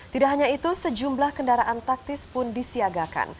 tidak hanya itu sejumlah kendaraan taktis pun disiagakan